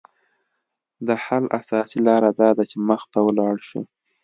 د حل اساسي لاره داده چې مخ ته ولاړ شو